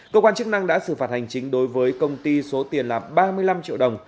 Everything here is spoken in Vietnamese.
cơ quan chức năng đã xử phạt hành chính đối với công ty số tiền là ba mươi năm triệu đồng